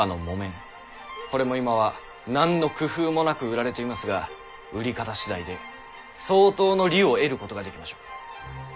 これも今は何の工夫もなく売られていますが売り方次第で相当の利を得ることができましょう。